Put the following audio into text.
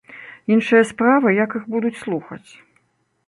Іншая справа, як іх будуць слухаць.